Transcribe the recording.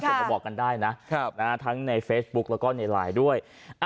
มาบอกกันได้นะทั้งในเฟซบุ๊กแล้วก็ในไลน์ด้วย